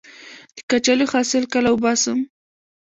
د کچالو حاصل کله وباسم؟